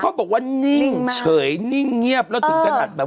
เขาบอกว่านิ่งเฉยนิ่งเงียบแล้วถึงจันทร์หลัก